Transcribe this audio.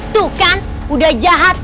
tuh kan udah jahat